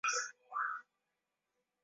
ili kutafuta suluhu ya tatizo lililopo